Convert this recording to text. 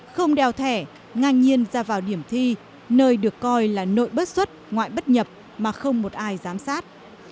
không đeo thẻ ngang nhiên ra vào điểm thi nơi được coi là nội bất xuất ngoại bất nhập mà không một ai giám sát